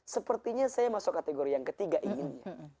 sepertinya saya masuk kategori yang ketiga inginnya